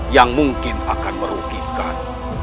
yang mungkin akan merugikan